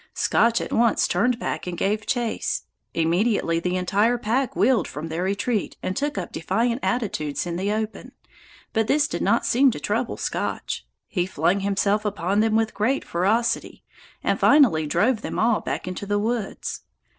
Scotch at once turned back and gave chase. Immediately the entire pack wheeled from retreat and took up defiant attitudes in the open, but this did not seem to trouble Scotch; he flung himself upon them with great ferocity, and finally drove them all back into the woods.